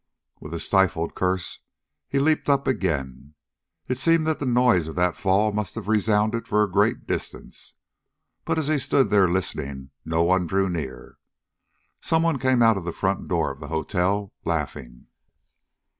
With a stifled curse he leaped up again. It seemed that the noise of that fall must have resounded for a great distance, but, as he stood there listening, no one drew near. Someone came out of the front door of the hotel, laughing.